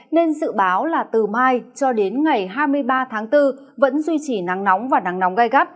nên dự báo là từ mai cho đến ngày hai mươi ba tháng bốn vẫn duy trì nắng nóng và nắng nóng gai gắt